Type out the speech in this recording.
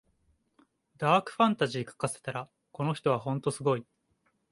ダークファンタジー書かせたらこの人はほんとすごい